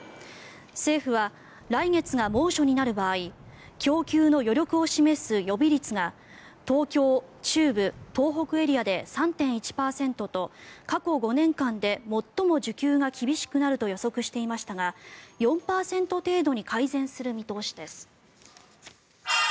政府は来月が猛暑になる場合供給の余力を示す予備率が東京、中部、東北エリアで３．１％と、過去５年間で最も需給が厳しくなると予測していましたが４％程度に改善する見通しです。